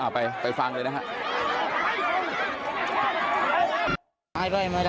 ไปฟังเลยนะฮะ